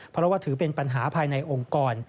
เพราะว่าถือเป็นปัญหาภายในองค์กร